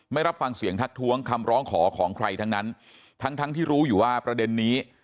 ไม่รับฟังเสียงทักท้วงคำร้องขอของใครทั้งนั้นทั้งทั้งที่รู้อยู่ว่าประเด็นนี้